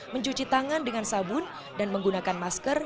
mencuci tangan dengan sabun dan menggunakan masker